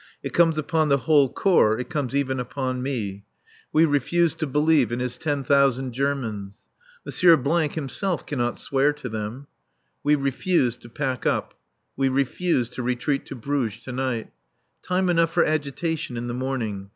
It comes upon the whole Corps, it comes even upon me. We refuse to believe in his ten thousand Germans. M. himself cannot swear to them. We refuse to pack up. We refuse to retreat to Bruges to night. Time enough for agitation in the morning.